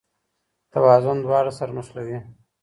توازن دواړه سره نښلوي.